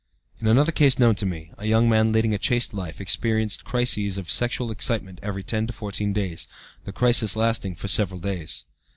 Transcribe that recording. In another case known to me, a young man leading a chaste life, experienced crises of sexual excitement every ten to fourteen days, the crisis lasting for several days.